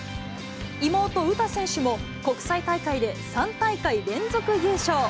妹、詩選手も、国際大会で３大会連続優勝。